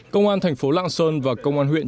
công an thành phố lạng sơn và công an huyện